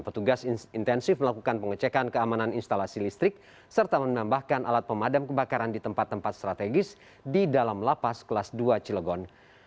petugas intensif melakukan pengecekan keamanan instalasi listrik serta menambahkan alat pemadam kebakaran di tempat tempat strategis di dalam lapas kelas dua cilegon